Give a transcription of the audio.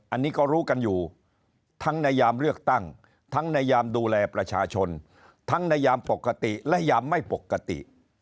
อันนี้ก็รู้กันอยู่ทั้งในยามเลือกตั้งทั้งในยามดูแลประชาชนทั้งในยามปกติและยามไม่ปกติ